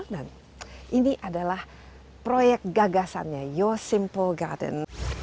dan ini adalah proyek gagasannya yo simple garden